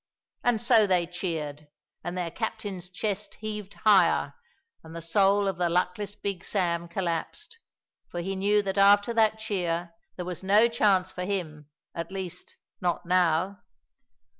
And so they cheered, and their captain's chest heaved higher, and the soul of the luckless Big Sam collapsed, for he knew that after that cheer there was no chance for him; at least, not now.